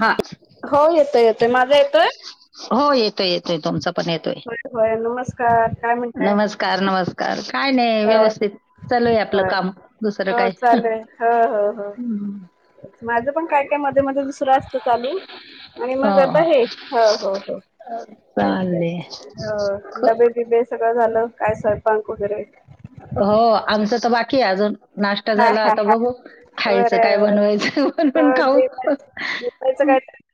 हा हो येतोय येतोय माझा येतोय. हो येतोय येतोय तुमचा पण येतोय. होय हो नमस्कार. काय म्हणताय नमस्कार नमस्कार काय नाही होय व्यवस्थित चालू आहे आपलं होय काम. दुसरं हो काय चाले आहे ह हो. माझं पण काय काय मध्ये मध्ये दुसरं असतं चालू. आणि हो मग आता आहे हो हो हो. चालले ह डबे बिबे सगळं झालं काय सरपांक वगैरे. हो आमचं तर बाकी आहे अजून नाश्ता हा झाला हा आता हा बघू बर खायचं काय बर बनवायचं पण पण खाऊ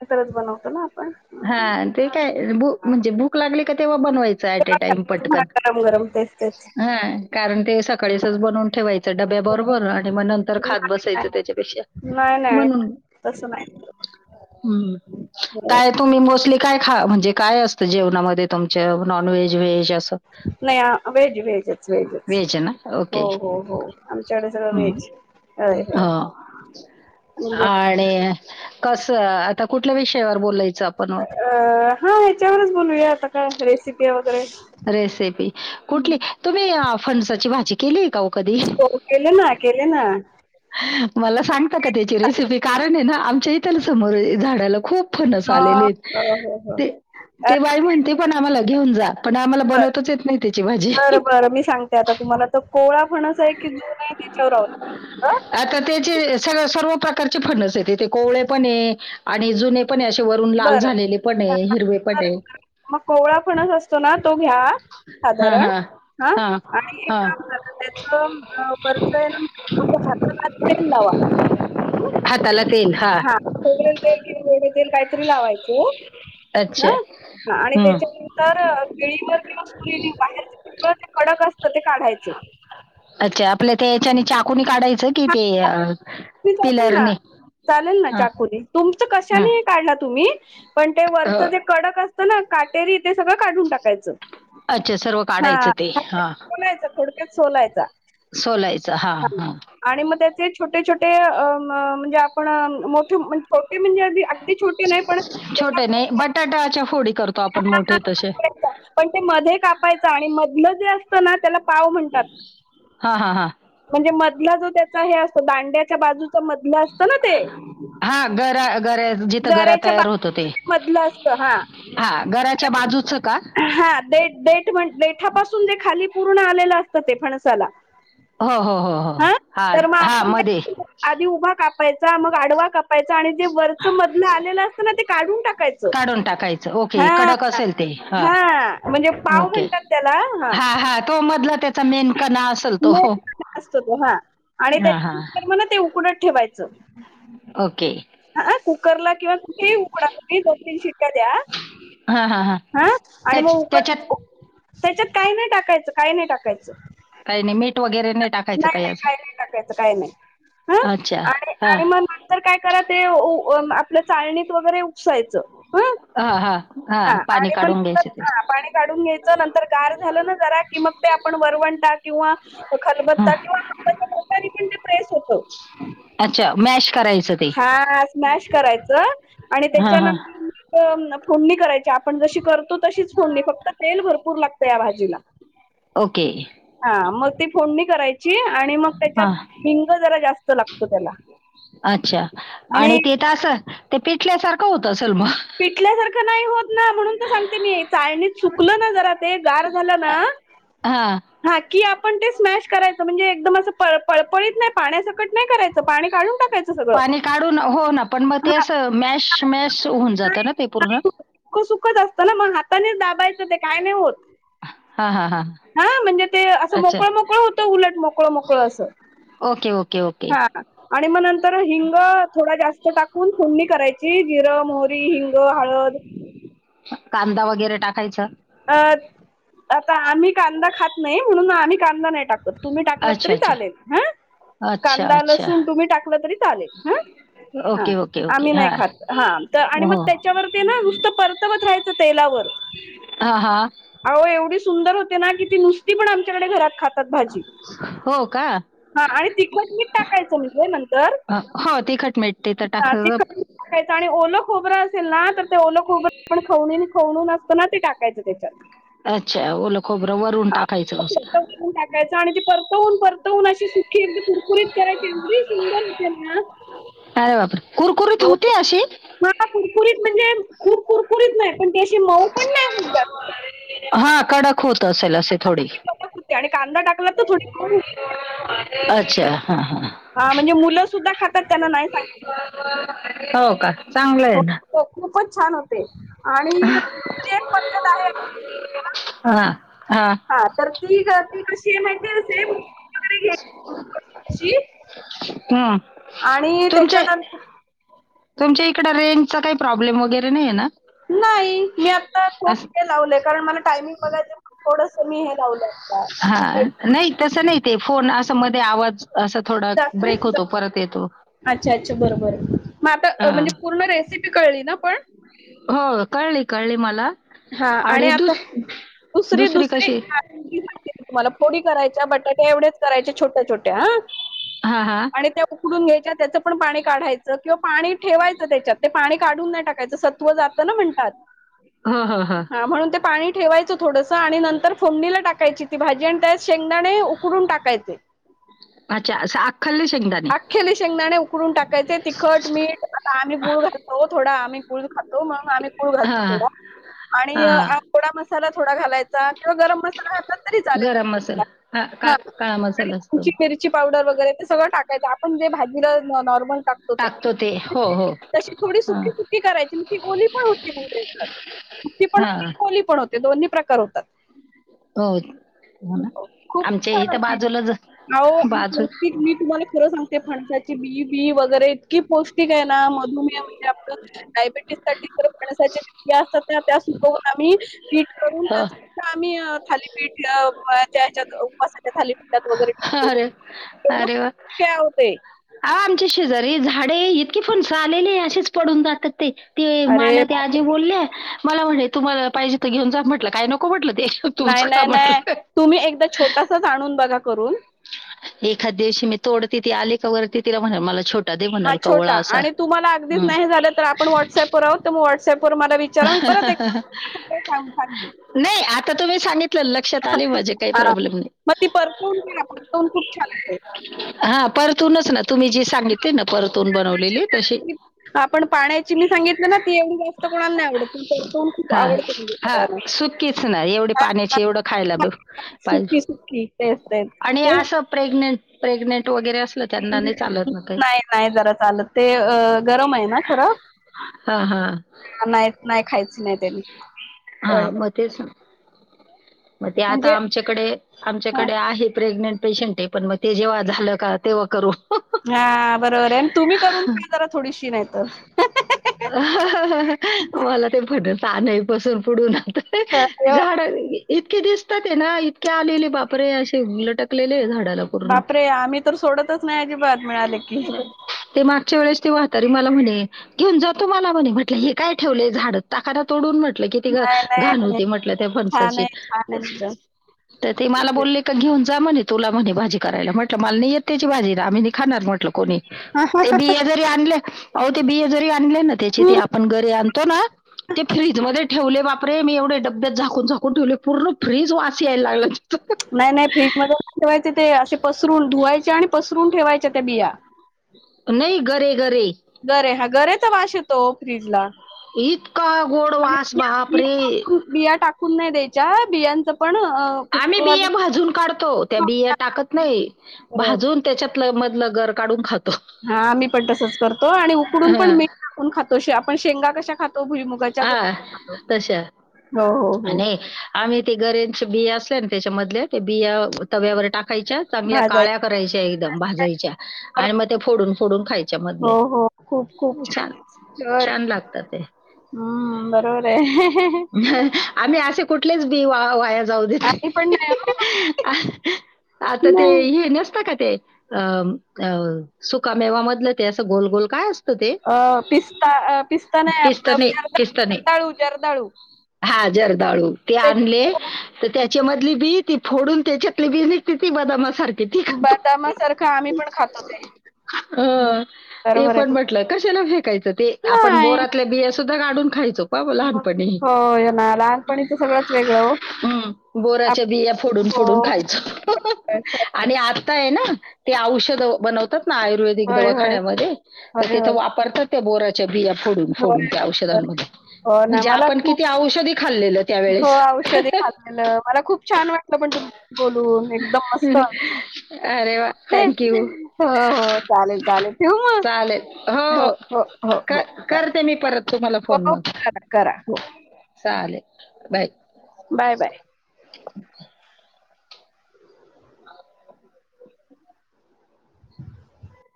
काच बनवतो ना आपण हा ते काय भू म्हणजे भूक लागली का तेव्हा बनवायची अ टाईम पटकन गरम गरम तेच तेच ह कारण ते सकाळीच बनवून ठेवायच डब्या बरोबर आणि मग नंतर नाही खात बसायचं त्याच्यापेक्षा नाही म्हणून तसं नाही हम्म. काय तुम्ही मोस्टली काय खा म्हणजे काय असतं जेवणामध्ये तुमच नॉन व्हेज व्हेज असं. नाही व्हेज व्हेजच व्हेजच व्हेज ना? हो ओके. हो हो आमच्याकडे सगळं व्हेज. होय होय ह म्हणजे आणि. कसं आता कुठल्या विषयावर बोलायचं आपण? अ हा ह्याच्यावरच बोलूया आता काय रेसिपी वगैरे. रेसिपी कुठली तुम्ही फणसाची भाजी केलीये का ओ कधी? हो. केले ना, केले ना. मला सांगता का त्याची रेसिपी? कारण ये ना आमच्या इथ समोर झाडाला खूप फणस ह आलेले आहेत. हो हो हो ते अ ते बाई म्हणते पण आम्हाला घेऊन जा. पण आम्हाला बनवताच येत नाही त्याची भाजी. तर मी सांगते आता तुम्हाला तर कोळा पण आहे की जन आहे त्याच्यावर [unintelligible] आता त्याचे स सर्व प्रकारचे फनस आहेत. तेे कोवळे पण ये आणि जुने पण असे वरून लाल बरं झालेले पण हां, ये, हां. हिरवे पण बरं, आहे. बरं. मग कोवळा फणस असतो ना. तो घ्या हां साधारण हां हा हां आणि एक हां काम त्याच परत आहे ना हात तेल लावा [unintelligible] [inaudible] ते कि वेढ तेल काहीतरी लावायचं ह अच्छा आणि [unintelligible] [unintelligible] हं. किंवा सुरीनी बाहेर ते कडक असत ते काढायचं. अच्छा आपल्या त्या याच्याने चाकुनी काढायचं कि हां, चालेल ते ते चालेल ना पिलरने चालेल ना हां चाकुनी. तुमच हां कशाने काढला तुम्ही पण ते अ, वरचं जे कडक असतं ना काटेरी ते सगळं काढून टाकायचं. अच्छा सर्व काढायचं हां. ते हा. सोलायचा थोडक्यात सोलायचा. सोलायच हा हां. हा. आणि मग त्याचे छोटे छोटे म्हणजे आपण मोठे छोटे म्हणजे आगदी छोटे नाही बटाटाच्या फोडी करतो आपण मोठे तसे. पण ते मध्ये कापायच आणि मधलं जे असत ना त्याला पाव म्हणतात. हां हां हां म्हणजे मधला जो त्याचा हे असतो दांड्याच्या बाजूचा म हां गरा गऱ्या जिथं गरा तयार होतो ते [unintelligible] हा गराच्या बाजूचं का? हा ते देठ म्हण डेठापासून जे खाली पूर्ण आलेलं असतं ते फणसाला हो हो हो हो हा तर मग हा आपण मध्ये काय आधी उभा कापायचा. मग आडवा का आणि जे वरचं मधलं आलेलं असतं ना ते काढून टाकायचं. टाकायं के कडक हा अडक आसेल ते. ह हा म्हणजे पाव ओके म्हणतात त्याला हा हा. तो मधला त्याचा मेन कना असेल तो. असत तो हा आणि हा हा त्याच्यानर म ते उकडत ठेवायचं. ओके. हा कुकरला किंवा कुठेही उकडा. दोन तीन शिट्या द्या. हा आणि मग त्याच- उकड त्याच्यात त्याच्यात काय नाही टाकायचं काय नाही टाकायचं. काही नाही मीठ वगैरे नाही टाकायचं काही असं? काही नाही ह अच्छा आणि हा आणि म तर काय करा ते आपल्या चाळणीत वगैरे उपसायचं. हं हा हा हा पाणी आणि मग काढून घ्यायचं ते. नंतर पाणी काढून घ्यायचं नंतर कार झालं ना जरा कि मग ते आपण वरवंटा किंवा हा. खलबत्ता किंवा हच्या प्रकारने पण ते प्रेस होतं. अच्छा मॅश करायचं? ते हा स्मॅश करायचं आणि हा हा त्याच्यानंतर फोडणी करायची आपण जशी करतो तशीच फोडणी फक्त तेल भरपूर लागतं या भाजीला. ओके. हा मग ती फोडणी करायची आणि मग हा त्याच्यात हिंग जरा जास्त लागतो त्याला. अच्छा आणि तेथ असं ते पिटल्यासारखं होत असल मग पिटल्यासारखं नाही होत ना म्हणून तर सांगते मी चाळनीत सुकल ना जरा ते गार झालं ना हा. हा की आपण ते स्मॅश करायचं म्हणजे एकदम असं प पळपळीत नाही पाण्याचं कट नाही करायचं पाणी काढून टाकायचं सगळं पाणी काढून हो ना पण मग ते हा असं मॅश मॅश होऊन जातं ना ते पूर्ण सुख सुखच असतं ना मग हातानेच दाबायचं ते काय नाही होत. हा हा हा. हा म्हणजे ते असं मोकळ, मोकळ होतं उलट मोकळ, मोकळ अस. ओके, ओके, ओके, आणि मग नंतर हिंग थोडा जास्त टाकून फोडणी करायची जिरं, मोहरी, हिंग, हळद, कांदा वगैरे टाकायचं अ आता आम्ही कांदा खात नाही म्हणून आम्ही कांदा नाही टाकत. तुम्ही टाकला अच्छा, तरी अच्छा. चालेल हा अच्छा, कांदा, अच्छा. लसूण तुम्ही टाकलं तरी चालेल हा हा ओके, ओके, आम्ही ओके. नाही हां. खात हा आणि मग हो. त्याच्यावरती ना नुसत परत तवत राहायचं तेलावर हा हा. अहो एवढी सुंदर होते ना की ती नुसती पण आमच्याकडे घरात खात हो का. हा आणि तिखट, मीठ टाकायचं म्हणजे नंतर अ, हो तिखट मीठ ते तर ते टाकलं. टाकायच आणि ओल खोबरं असेल ना तर ते ओल खोबरं आपण खाव खवन न असतं ना ते टाकत टाकायचं त्याच्यात अच्छा, ओलं खोबरं वरून टाकायचं असं. ह टाकायच आणि त परतवून पर न अशी सुखी अगदी कुरकुरीत करायची एवढी सुंदर होतेना अरे बापर कुरकुरीत होती अशी मला कुरकुरीत म्हणजे खूप कुरकुरीत नाही पण त्याशी मऊ पण नाही जास्त. हा कडक होत असेल असे थोडी. होते आणि कांदा टाकला तर थोडी हो अच्छा हा हा. हा म्हणजे मुलं सुद्धा खातात त्यांना नाही सांगत. हो का चांगलं आहे जात. ना. हो खूपच छान होते. आणि दुसरी एक पद्धत आहे. हां, हां. हा तर ती ती कशी आहे माहितीे वगैरे घ. हं. आणि तुमचे त्याच्यानंतर. तुमच्या इकड रेंजचा काही प्रॉब्लेम वगैरे नाहीे ना. नाही मी आता थोड हे असं- लावलंय कारण मला टायमिंग बघायचं थोडस मी हे लावलं. ह. हा नाही तसं नाही ते फोन असं मध्ये आवाज. असं थोडा ब्रेक जास्त होतो परत येतो. अच्छा अच्छा बरोबर मग आता हा. म्हणजे पूर्ण रेसिपी कळली ना पण. हो कळली कळली मला हा आणि आता दुसरी, दुसरी, तुम्हाला फोडी करायच्या बटाट्या एवढच करायच्या छोट्या छोट्या हा हा हा. त्या उकडून घ्यायच्या त्याचं पण पाणी काढायचं किंवा पाणी ठेवायचं त्याच्यात ते पाणी काढून नाही टाकायचं. सत्व जात ना म्हणतात. हा हा हा. म्हणून ते पाणी ठेवायचं थोडस आणि नंतर फोमणीला टाकायची ती भाजी आणि त्या शेंगदाणे उकडून टाकायचे. अच्छा असं अख्खल्ले शेंगदाणे अख्याले शेंगदाणे उकडून टाकायचे तिखट मीठ आता आम्ही गुळ घाातो थोडा आम्ही गुळ खातो. तो म्हणून आम्ही कूळ हा घातलतो थोडा हा आणि हा. आोडा मसाला थोडा घालायच. किंवा गरम मसा हात तरी चालेल गरम मसाला हा मि. का- काळा मसाला असतो ची पावडर वगैरे ते सगं टाकायच आपणे भाजीला नॉर्मल टाकतो. ते हो हो तशी थोडी हा सुकीी सुखी करायची ती ओली पण होते. सुकी पण हा. होते, पण होते दोन्ही प्रकार होतात. हो. हो ना खूप आमच्या छान इथं असते बाजूलाच बाजू मी तुम्हाला खरं सांग. फणसाची बी बी वगैरे इतकी पौष्टिक आहे ना मधुमेह म्हणजे आप डायबेटीस. णसात त्या सुको आम्ही पीठ करून त्या. हो. आम्ही थालीपीठ त्याच्या. अस त्या खालीात वगैरे अरे तेढ खूप काे होते. ह आमची शेजारी झाडे इतकीे फणस आलेली असेच पडून जातात ते. ते मला अरे ते आजी बापरे बोलले मला म्हणले तुम्हाला पाहिजे तर घेऊन जा म्हटलं काय नको म्हटलं ते. तूच नाही का नाही नाही म्हटलं तुम्ही एकदा छोटासाच आणून बघा करून. एखाद दिवशी मी तोडते ती आली का वरती तिला म्ह मला छोटी. हा छोटा आणि तुम्हाला अगदीच नाही झालं तर आपण व्हॉट्सअपवर आहोत. त मग व्हॉट्सअप व मला विचारा मी परत एकदा सांगल. नाही आता तुम्ही सांगितलं लक्षात आली माझ्या. हा मग ती परफोन करा परतोन खूप छान. हा परतूनच ना तुम्ही जी सांगितली ना परतून बनवलेली तशी. आपण पाण्याची मी सांगितलं ना ती एवढी जास्त कोणाला नाही आवडत. त खूप हां. आवडत म्हणजे हां. सगळ्यांना. सुकीच नाही एवढी पाण्याची एवढं खायला ब पाहिजे सुकी सुकी ते असतात ते. प्रेग्नेंट वगैरे. त्यांना नाही चालत ना काही. नाही नाही जरा चालत ते अ गरम आहे ना खरं. हा हा. नाही नाही खायच नाही त्यांनी हां, मग तेच ना. मग ते आता म्हणजे आमच्याकडे हा आमच्याकडे आहे प्रेग्नेंट पेशंट आहे पण मग ते जेव्हा झालं का तेव्हा करू हा बरोबर आहे आणि तुम्ही करून खा जरा थोडीशी नाही तर मला ते पट तनवीपसून पुडून आता ते अ, झाारा इतके दिसतात आहे ना इतके आलेले बापरे असे लटकलेले झाडाला पूर्ण. बापरे आम्ही तर सोडतच नाही अजिबात मिळाले की ते मागच्या वेळेस ते वहातारी मला म्हणे घेऊन जातो मला म्हणे म्हटलं हे काय ठेवलेय झाड टाकादा तोडून म्हटलं कि त नाही घाण नाही होती म्हटलं त्या छान फणसाची आहे छान आहे एकदम तर ते मला बोलले घेऊन जा म्हणे तुला म्हणे भाजी करायला म्हटलं मला नाही येत त्याची भाजी आम्ही खाणार म्हटल को ते बिया जरी आणले ते बि ते ऑनलाईन आपण हम्म त्याच्याशी घरी आणतोय ना आपण ते फ्रीजमध्ये. ठेवले बापरे मी एवढे डब्यात झाकून झाकून ठेवले पूर्ण फ्रीज वास यायला लागला. तिथं. नाही नाही फ्रीज मध्ये नाही ठेवायचे ते असे पसरून धुवायचे आणि पसरून ठेवायच्या त्या बिया. नाही घे घरे गरे हा गरेचा वाश येतो फ्रीज ला इतका गोड वास बाप बिया रे टाकून बिया नाही द्याच्या बियांचं पण अ आम्ही कुकरला बिया भाजून काढतो त्या बिया टाकत नाही भाजून त्याच्यात मधलं घर काून खात हा आम्ही पण तसच करतो आणि उकडून पण हा मीठ टाकून खातो आपण शेंगा कशा खातो भुईमुगाच्या आा तसं पण खातो तशा हो हो हो आणि आम्ही ते गरेच्या बिया असल्या ना त्याच्यामधल्या ते बिया तव्यावर टाकायच्या चांगल्या भाजायची काळ्या करायच्या एकदम भाजायच्या आणि मग ते फोडून फोडून खायच्या हो मधले हो खूप खूप छान छान लागतात ते हम्म बरोबर आहे आम्ही असे कुठलेच बी वा वाया जाऊ देत आम्ही पण नाही हो आता ते नाही हे नसत का ते अ अ सुकामेवामधलं ते असं गोल गोल काय असत अ पिस्ता पिस्ता नाही आप पिस्तने पिस्तने जरदाळू जरदाळू जरदाळू हा जरदाळू ते आणले तर त्याच्यामधली बी ती फोडून त्याच्यातली बी निघते ती बदामसारखी बदामासारखं आम्ही पण खातो ते हं अ ते बरोबर आहे पण तुमचं. म्हटलं कशाला फेकायचं ते आपण नाही बोरातल्या बी सुद्धा कााढून खायचो प लहानपणी हो ये ना लहानपणीच सगळंच वेगळं हो हम्म बोराच्या बिया फोडून हो फोडून खायच होय आणि आता आहे ना ते औषध बनवतात ना आयुर्वेदिक होय होय दवाखान्यामध्ये तर होय तेथं होय वापरतात बोराच्या बिया फोडून फोडून त्या होय औषधांमध्ये हो ना म्हणजे मला आपण किती खूप औषधी खाल् हो औषधी खालेलं मला खूप छान वाटलं पण तुम बोलून एकदम मस्त वाटलं अरे वा! थँक्यू. हो हो चालेल चालेल ठेऊ म हो हो हो चालेल करते मी परत तुम्हाला हो फोन मग करा करा हो चालेल बाय बाय बाय हम्